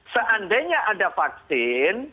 seandainya ada vaksin